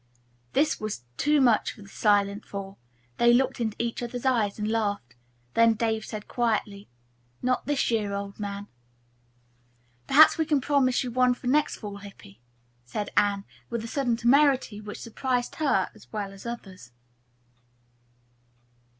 This was too much for the silent four. They looked into each other's eyes and laughed. Then Dave said quietly, "Not this year, old man." "Perhaps we can promise you one for next fall, Hippy," said Anne, with a sudden temerity which surprised her as well as the others.